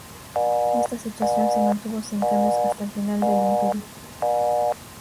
Esta situación se mantuvo sin cambios hasta el final del Imperio.